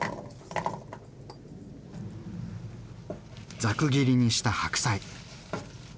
ざく切りにした白菜。